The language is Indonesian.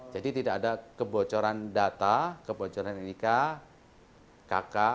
jadi tidak ada kebocoran data kebocoran nik